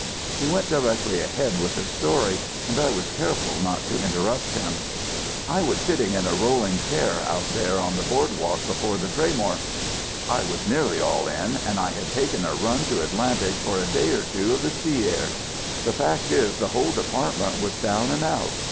He went directly ahead with the story and I was careful not to interrupt him: "I was sitting in a rolling chair out there on the Boardwalk before the Traymore. I was nearly all in, and I had taken a run to Atlantic for a day or two of the sea air. The fact is the whole department was down and out.